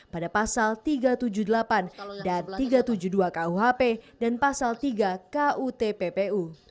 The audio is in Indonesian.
pada pasal tiga ratus tujuh puluh delapan dan tiga ratus tujuh puluh dua kuhp dan pasal tiga kutppu